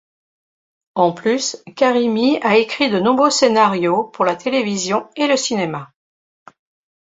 En plus, Karimi a écrit de nombreux scénarios pour la télévision et le cinéma.